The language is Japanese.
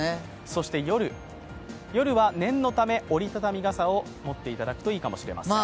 そして夜は念のため折りたたみ傘を持っていただくといいかもしれません。